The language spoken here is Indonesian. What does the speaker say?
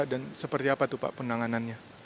dan seperti apa tuh pak penanganannya